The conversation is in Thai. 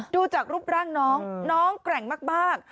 ดูจากรูปร่างน้องน้องแกร่งมาก